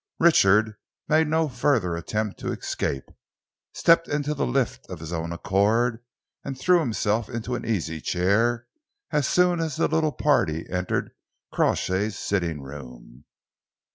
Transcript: Richard made no further attempt to escape, stepped into the lift of his own accord, and threw himself into an easy chair as soon as the little party entered Crawshay's sitting room.